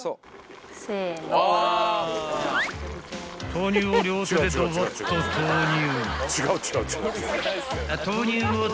［豆乳を両手でドバッと投入］